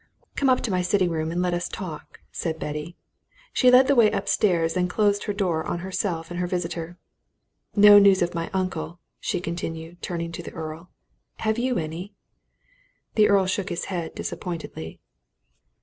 "Come up to my sitting room and let us talk," said Betty. She led the way upstairs and closed her door on herself and her visitor. "No news of my uncle," she continued, turning to the Earl. "Have you any?" The Earl shook his head disappointedly.